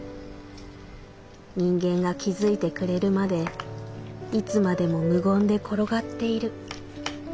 人間が気づいてくれるまでいつまでも無言で転がっている」。